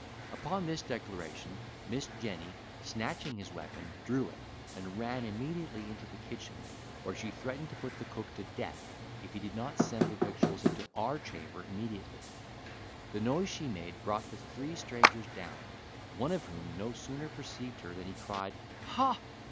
Upon this declaration, Miss Jenny, snatching his weapon, drew it, and ran immediately into the kitchen, where she threatened to put the cook to death if he did not send the victuals into our chamber immediately. The noise she made brought the three strangers down, one of whom no sooner perceived her than he cried, "Ha!